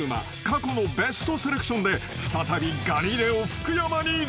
過去のベストセレクションで再び『ガリレオ』福山に挑む］